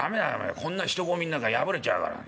こんな人混みん中破れちゃうから。